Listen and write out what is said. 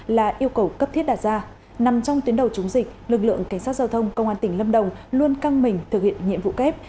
là yêu cầu cấp thiết đạt ra nằm trong tuyến đầu chống dịch lực lượng cảnh sát giao thông công an tỉnh lâm đồng luôn căng mình thực hiện nhiệm vụ kép